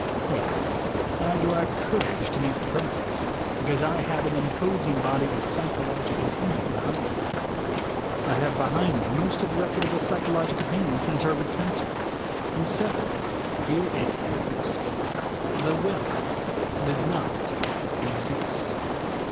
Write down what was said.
However, I derive courage to meet the protest because I have an imposing body of psy chologic opinion behind me. I have behind me most of the reputable psychologic opinion since Herbert Spencer. And so here it is : The will does not exist.